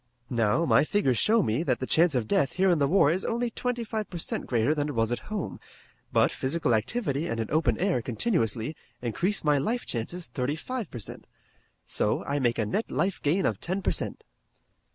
Now, my figures show me that the chance of death here in the war is only twenty five per cent greater than it was at home, but physical activity and an open air continuously increase my life chances thirty five per cent. So, I make a net life gain of ten per cent."